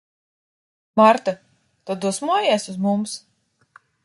Marta, tu dusmojies uz mums?